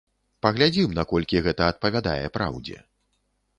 Паглядзім, наколькі гэта адпавядае праўдзе.